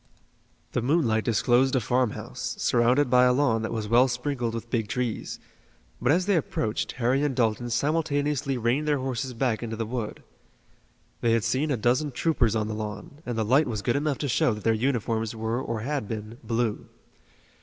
The moonlight disclosed a farmhouse, surrounded by a lawn that was well sprinkled with big trees, but as they approached Harry and Dalton simultaneously reined their horses back into the wood. They had seen a dozen troopers on the lawn, and the light was good enough to show that their uniforms were or had been blue.